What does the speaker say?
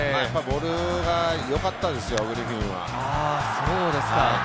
ボールがよかったですよ、グリフィンは。